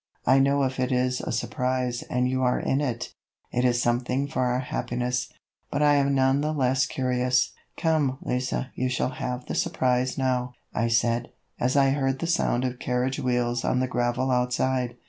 I know if it is a surprise and you are in it, it is something for our happiness, but I am none the less curious." "Come, Lise, you shall have the surprise now," I said, as I heard the sound of carriage wheels on the gravel outside.